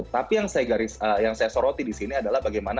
tapi yang saya soroti di sini adalah bagaimana